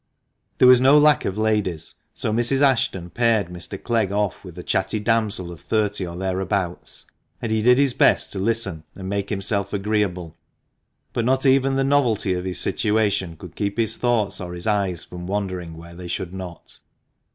There was no lack of ladies, so Mrs. Ashton paired Mr. Clegg off with a chatty damsel of thirty or thereabouts, and he did his best to listen and make himself agreeable, but not even the novelty 308 THE MANCHESTER MAN. of his situation could keep his thoughts or his eyes from wandering where they should not.